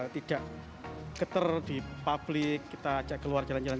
tidak keter di publik kita ajak keluar jalan jalan